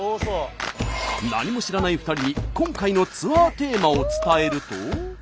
何も知らない２人に今回のツアーテーマを伝えると。